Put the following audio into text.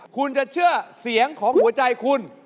คุณจะเชื่อเสียงของหัวใจคุณ